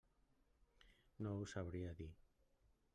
No ho sabria dir.